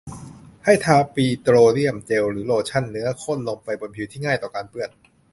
ให้ทาปิโตรเลียมเจลหรือโลชั่นเนื้อข้นลงไปบนผิวที่ง่ายต่อการเปื้อน